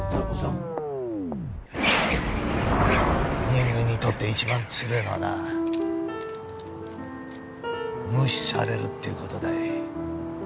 人間にとって一番つれえのはな無視されるっていう事だ。